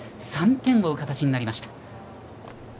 ３点を追う形になりました。